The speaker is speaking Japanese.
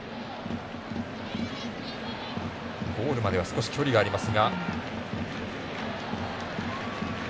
ゴールまで少し距離があります。